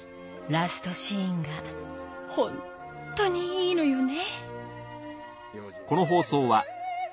ラストシーンがホントにいいのよね